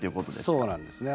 そうなんですね。